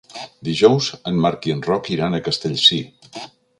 Dijous en Marc i en Roc iran a Castellcir.